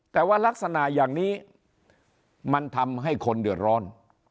แต่ว่ารักษณะอย่างนี้มันทำให้คนเดือดร้อน